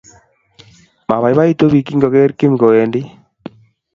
Mabaibaitun biik kingogeer Kim kowendi